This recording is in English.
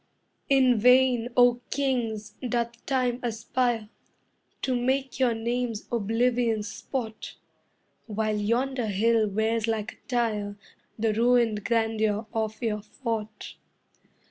In vain, O Kings, doth time aspire To make your names oblivion's sport, While yonder hill wears like a tier The ruined grandeur of your fort.